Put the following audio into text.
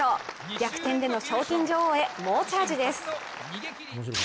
逆転での賞金女王へ猛チャージです。